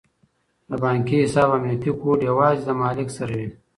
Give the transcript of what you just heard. د بانکي حساب امنیتي کوډ یوازې له مالیک سره وي.